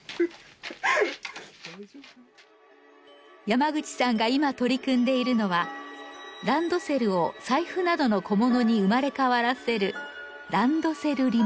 山口さんが今取り組んでいるのはランドセルを財布などの小物に生まれ変わらせる「ランドセルリメーク」。